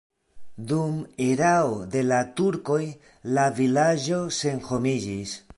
Dum erao de la turkoj la vilaĝo senhomiĝis.